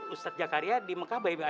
ustadz zakaria di mekabai